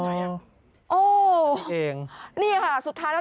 อ๋อนี่ไงล่ะนี่เองอ๋อนี่ค่ะสุดท้ายแล้ว